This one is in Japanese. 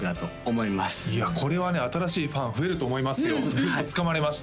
いやこれはね新しいファン増えると思いますよグッとつかまれました